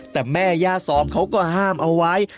แต่แม่ย่าซอมเขาก็ห้ามเอาไว้